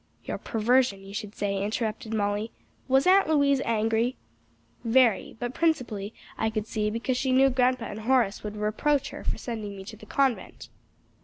"Your perversion, you should say," interrupted Molly. "Was Aunt Louise angry?" "Very; but principally, I could see, because she knew grandpa and Uncle Horace would reproach her for sending me to the convent."